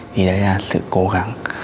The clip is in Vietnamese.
thì đấy là sự cố gắng